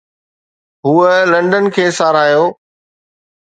هوء لنڊن کي ساراهيو